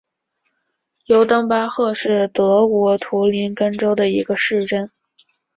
尤登巴赫是德国图林根州的一个市镇。